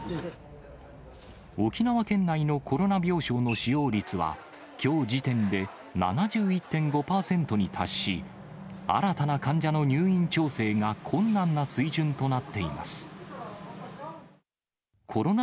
沖縄県内のコロナ病床の使用率は、きょう時点で７１．５％に達し、新たな患者の入院調整が、困難な水準となっています。